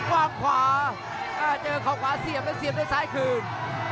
วางขวาเจอเขาขวาเสียบแล้วเสียบด้วยซ้ายคืน